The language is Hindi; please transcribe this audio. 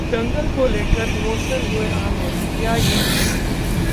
'दंगल' को लेकर इमोशनल हुए आमिर, किया ये ट्वीट